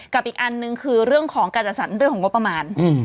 อีกอันนึงคือเรื่องของการจัดสรรเรื่องของงบประมาณ